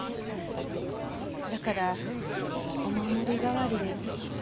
だからお守り代わりにと。